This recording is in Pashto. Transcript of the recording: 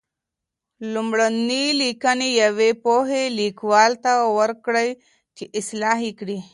لومړني لیکنې یوې پوهې لیکوال ته ورکړئ چې اصلاح یې کړي.